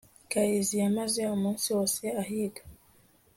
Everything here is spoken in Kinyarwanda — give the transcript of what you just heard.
gahigi yamaze umunsi wose ahiga